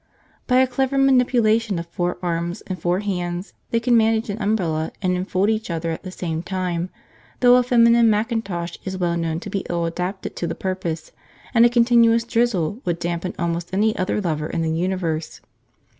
By a clever manipulation of four arms and four hands they can manage an umbrella and enfold each other at the same time, though a feminine macintosh is well known to be ill adapted to the purpose, and a continuous drizzle would dampen almost any other lover in the universe.